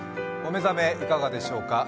お目覚めいかがでしょうか。